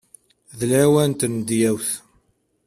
D lawan n tnedyawt.